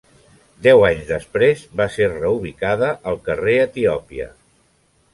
Deu anys després va ser reubicada al Carrer Etiòpia.